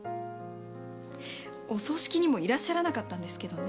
お葬式にもいらっしゃらなかったんですけどね。